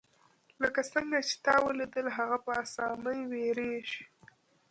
لکه څنګه چې تا ولیدل هغه په اسانۍ ویریږي